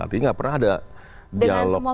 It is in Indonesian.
artinya nggak pernah ada dialog dengan semua